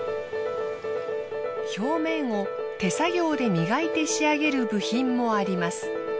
表面を手作業で磨いて仕上げる部品もあります。